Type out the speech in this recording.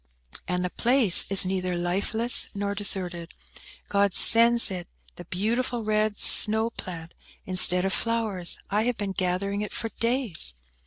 "And the place is neither lifeless nor deserted. God sends it the beautiful red snow plant instead of flowers. I have been gathering it for days."